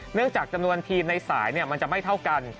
จากจำนวนทีมในสายมันจะไม่เท่ากัน